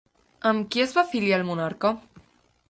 Amb qui es va afiliar el monarca?